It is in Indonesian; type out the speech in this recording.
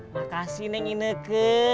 makasih neng ini nek